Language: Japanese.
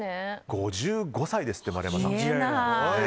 ５５歳ですって、丸山さん。